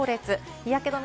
日焼け止め